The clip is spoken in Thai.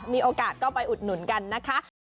มีโอกาสก็ไปอุดหนุนกันนะคะ